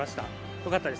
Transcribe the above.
よかったです。